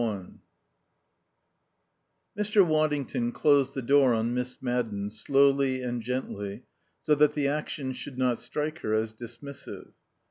IV 1 Mr. Waddington closed the door on Miss Madden slowly and gently so that the action should not strike her as dismissive.